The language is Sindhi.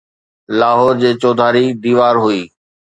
لاهور جي چوڌاري ديوار هئي